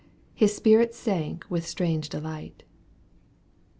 His spirit sank with strange delight.